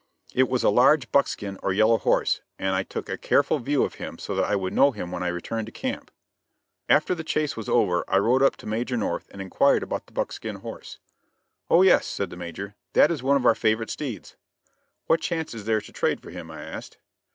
It was a large buckskin or yellow horse, and I took a careful view of him so that I would know him when I returned to camp. After the chase was over I rode up to Major North and inquired about the buckskin horse. "Oh yes," said the Major, "that is one of our favorite steeds." "What chance is there to trade for him?" I asked.